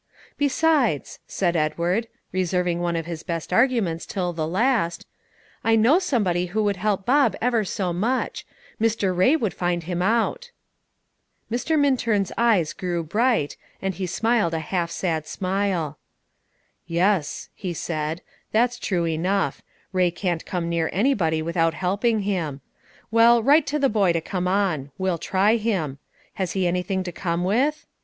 "Besides," said Edward, reserving one of his best arguments till the last, "I know somebody who would help Bob ever so much, Mr. Ray would find him out." Mr. Minturn's eyes grew bright, and he smiled a half sad smile. "Yes," he said, "that's true enough; Ray can't come near anybody without helping him. Well, write to the boy to come on; we'll try him. Has he anything to come with?"